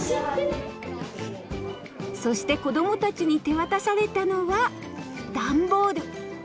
そして子供たちに手渡されたのはダンボール。